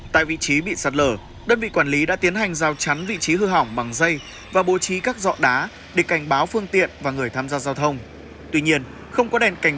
tại vị trí bị sạt lở đơn vị quản lý đã tiến hành giao chắn vị trí hư hỏng bằng dây và bố trí các dọ đá để cảnh báo phương tiện và người tham gia giao thông